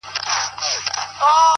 رڼا ترې باسم له څراغه ;